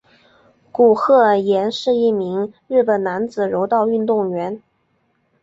古贺稔彦是一名日本男子柔道运动员。